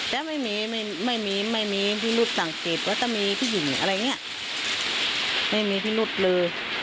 แต่ไม่มีไม่มีไม่มีพิรุธต่างกฤทธิ์ก็จะมีผู้หญิงอะไรเนี่ยไม่มีพิรุธเลย